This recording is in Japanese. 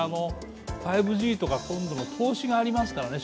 ５Ｇとか、将来への投資がありますから。